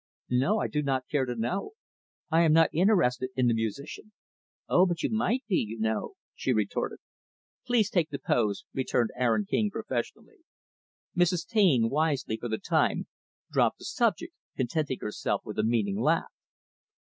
"No. I do not care to know. I am not interested in the musician." "Oh, but you might be, you know," she retorted. "Please take the pose," returned Aaron King professionally. Mrs. Taine, wisely, for the time, dropped the subject; contenting herself with a meaning laugh.